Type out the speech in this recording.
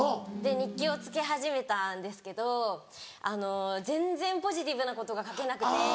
日記をつけ始めたんですけどあの全然ポジティブなことが書けなくて。